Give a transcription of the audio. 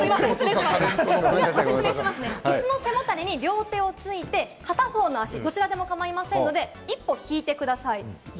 椅子の背もたれに両手をついて、片方の足どちらでも構いませんので、一歩引いてください。